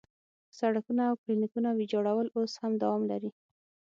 سړکونه او کلینیکونه ویجاړول اوس هم دوام لري.